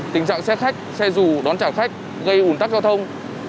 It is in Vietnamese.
tình trạng xe khách xe dù đón trả khách gây ủn tắc giao thông